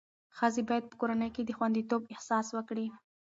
ښځې باید په کورنۍ کې د خوندیتوب احساس وکړي.